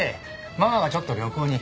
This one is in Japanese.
ママがちょっと旅行に。